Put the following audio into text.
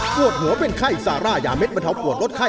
ปวดหัวเป็นไข้ซาร่ายาเด็ดบรรเทาปวดลดไข้